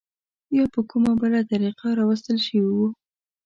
یا په کومه بله طریقه راوستل شوي وو.